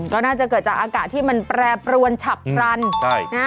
ก็น่าจะเกิดจากอากาศที่มันแปรปรวนฉับพลันใช่นะ